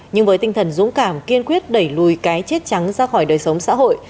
nhưng với tinh thần dũng cảm kiên quyết đẩy lùi cái chết trắng ra khỏi đời sống xã hội